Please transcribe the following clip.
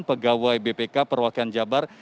pegawai bpk perwakilan jabar